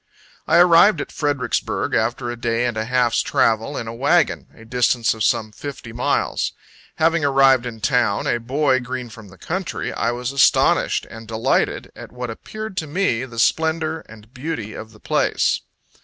I arrived at Fredericksburg, after a day and a half's travel, in a wagon a distance of some fifty miles. Having arrived in town, a boy green from the country, I was astonished and delighted at what appeared to me the splendor and beauty of the place.